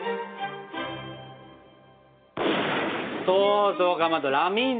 そうそうかまどラミントン！